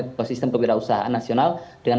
ekosistem kewirausahaan nasional dengan